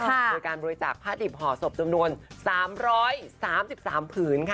โดยการบริจาคผ้าดิบห่อศพจำนวน๓๓ผืนค่ะ